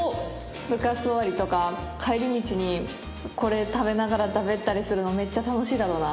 部活終わりとか帰り道にこれ食べながらだべったりするのめっちゃ楽しいだろうな。